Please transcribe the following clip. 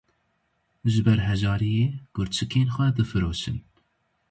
Ji ber hejariyê gurçikên xwe difiroşin.